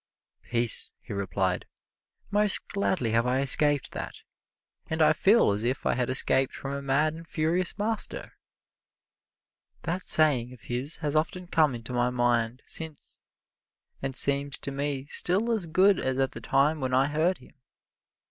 "Peace," he replied; "most gladly have I escaped that, and I feel as if I had escaped from a mad and furious master." That saying of his has often come into my mind since, and seems to me still as good as at the time when I heard him.